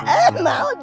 eh mau dong